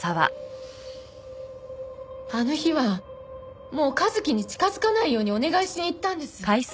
あの日はもう一輝に近づかないようにお願いしに行ったんです。